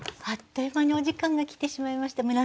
あっという間にお時間が来てしまいました。